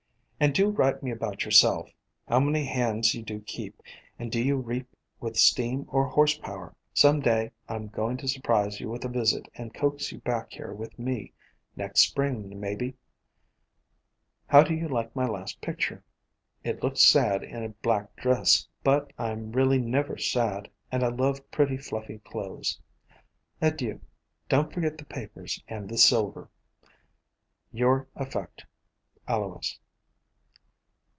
And do write me about yourself. How many hands do you keep, and do you reap with steam or horse power ? Some day I 'm going to surprise you with a visit and coax you back here with me, next Spring maybe. How do you like my last picture ? It looks sad in a black dress, but I 'm really never sad, and I love pretty, fluffy clothes. Adieu. Don't forget the papers and the silver. Your affec. ALOIS.